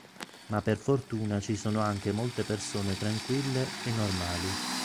Ma per fortuna ci sono anche molte persone tranquille e normali".